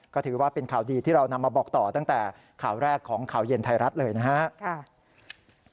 ก็ถือว่าเป็นข่าวดีที่เรานำมาบอกต่อตั้งแต่ข่าวแรกของข่าวเย็นไทยรัฐเลยนะครับ